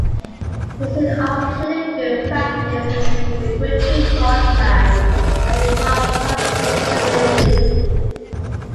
He soon obtained a good practice as an equity draughtsman and before parliamentary committees.